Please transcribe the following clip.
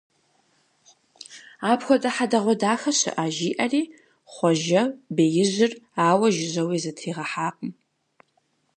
Апхуэдэ хьэдэгъуэдахэ щыӀэ! - жиӀэри, Хъуэжэ беижьыр ауэ жыжьэуи зытригъэхьакъым.